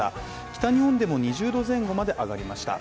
北日本でも２０℃前後まで上がりました。